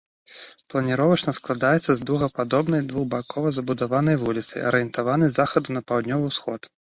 Планіровачна складаецца з дугападобнай двухбакова забудаванай вуліцы, арыентаванай з захаду на паўднёвы ўсход.